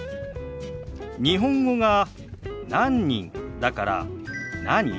日本語が「何人」だから「何？」